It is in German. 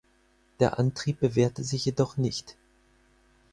Der Antrieb bewährte sich jedoch nicht.